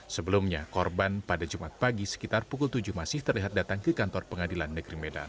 sebelumnya korban pada jumat pagi sekitar pukul tujuh masih terlihat datang ke kantor pengadilan negeri medan